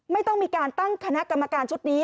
ไม่ต้องมีการตั้งคณะกรรมการชุดนี้